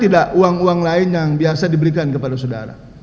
tidak uang uang lain yang biasa diberikan kepada saudara